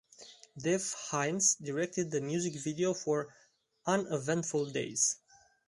Dev Hynes directed the music video for "Uneventful Days".